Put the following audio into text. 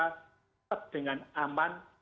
tetap dengan aman